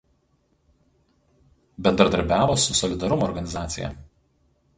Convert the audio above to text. Bendradarbiavo su „Solidarumo“ organizacija.